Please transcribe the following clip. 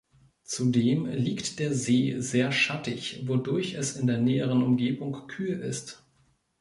Zudem liegt der See sehr schattig, wodurch es in der näheren Umgebung kühl ist.